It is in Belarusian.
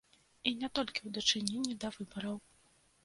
І не толькі ў дачыненні да выбараў.